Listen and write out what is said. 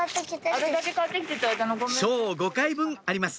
ショー５回分あります